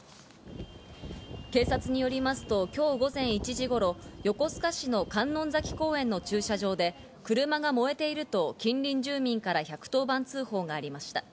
警察によりますと今日午前１時頃、横須賀市の観音崎公園の駐車場で車が燃えていると近隣住民から１１０番通報がありました。